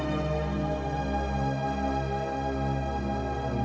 berapa lama brenda